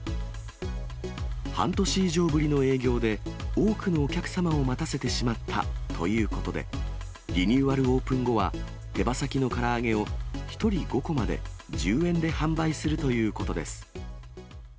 半年以上ぶりの営業で、多くのお客様を待たせてしまったということで、リニューアルオープン後は、手羽先のから揚げを１人５個まで１０円で販売するということです。